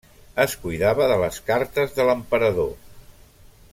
Es cuidava de les cartes de l'emperador.